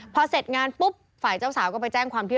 พอเสร็จงานปุ๊บฝ่ายเจ้าสาวก็ไปแจ้งความที่